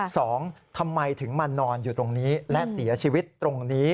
สองทำไมถึงมานอนอยู่ตรงนี้และเสียชีวิตตรงนี้